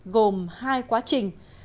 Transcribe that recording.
gồm hai quá trình